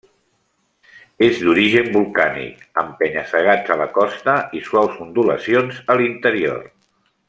És d'origen volcànic, amb penya-segats a la costa i suaus ondulacions a l'interior.